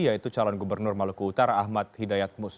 yaitu calon gubernur maluku utara ahmad hidayat mus